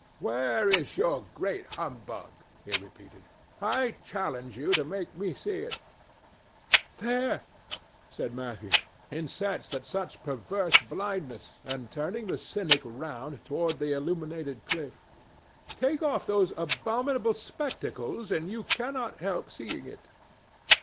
"Where is your great humbug?" he repeated. "I challenge you to make me see it." "There!" said Matthew, incensed at such perverse blindness, and turning the cynic round toward the illuminated cliff. "Take off those abominable spectacles, and you cannot help seeing it."